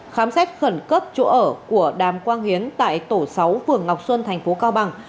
khám xét khẩn cấp chỗ ở của đàm quang hiến tại tổ sáu phường ngọc xuân thành phố cao bằng